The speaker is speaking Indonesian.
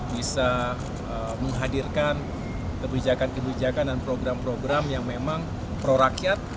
bisa menghadirkan kebijakan kebijakan dan program program yang memang prorakyat